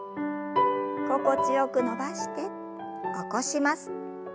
心地よく伸ばして起こします。